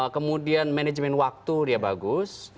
kemudian manajemen waktu dia bagus